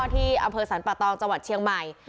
ที่อำเภอสรรปะตองจังหวัดเชียงใหม่